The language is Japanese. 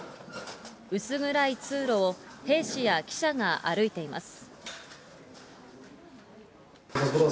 薄暗い通路を兵士や記者が歩いています。